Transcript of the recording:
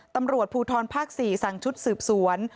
ตำรวจภูทรภาค๔สั่งชุดสืบสวน